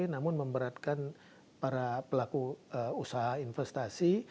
namun memberatkan para pelaku usaha investasi